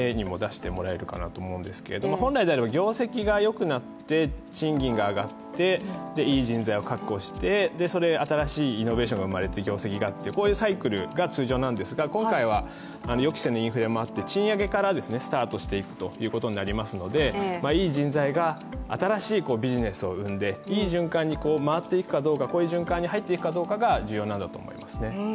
本来であれば、業績がよくなって賃金が上がっていい人材を確保してそれで新しいイノベーションが生まれて業績があってこういうサイクルが通常なんですが、今回は予期せぬインフレもあって賃上げからスタートしていくということになりますのでいい人材が新しいビジネスを生んでいい循環に回っていくかどうかこういう循環に入っていくかどうかが重要だと思います。